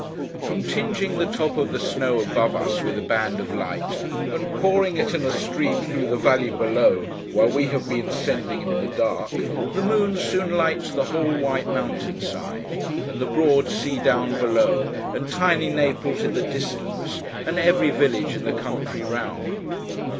From tingeing the top of the snow above us, with a band of light, and pouring it in a stream through the valley below, while we have been ascending in the dark, the moon soon lights the whole white mountain side, and the broad sea down below, and tiny Naples in the distance, and every village in the country round.